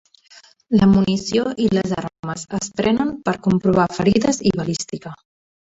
La munició i les armes es prenen per comprovar ferides i balística.